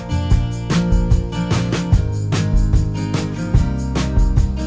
คือถ้าไม่แน่ตอนแรกอยากไปเดือนหน้าเลยค่ะ